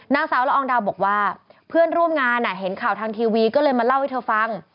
นางสาวละอองดาวบอกว่าเพื่อนร่วมงานเห็นข่าวทางทีวีก็เลยมาเล่าให้เธอฟัง